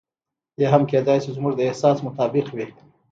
یا هم کېدای شي زموږ د احساس مطابق وي.